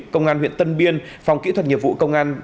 công an huyện tân biên phòng kỹ thuật nghiệp vụ công an